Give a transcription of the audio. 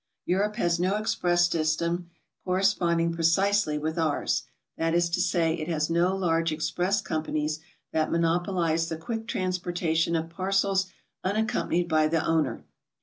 Europe has no express system corresponding precisely with ours; that is to say, it has no large express companies that monopolize the quick transportation of parcels unac companied by the owner.